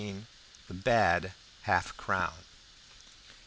THE BAD HALF CROWN.